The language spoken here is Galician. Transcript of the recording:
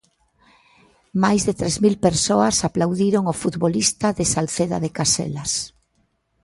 Máis de tres mil persoas aplaudiron o futbolista de Salceda de Caselas.